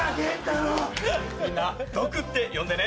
みんなドクって呼んでね。